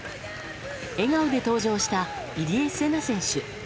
笑顔で登場した入江聖奈選手。